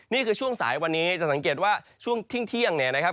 นี่คือช่วงสายวันนี้จะสังเกตว่าช่วงเที่ยงเนี่ยนะครับ